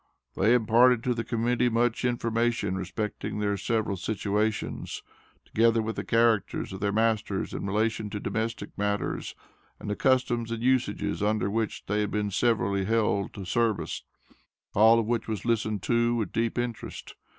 They imparted to the Committee much information respecting their several situations, together with the characters of their masters in relation to domestic matters, and the customs and usages under which they had been severally held to service all of which was listened to with deep interest.